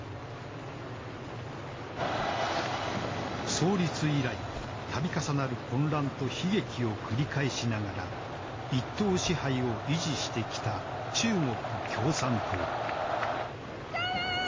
創立以来度重なる混乱と悲劇を繰り返しながら一党支配を維持してきた中国共産党。